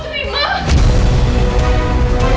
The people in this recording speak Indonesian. toh gimana teguh naftar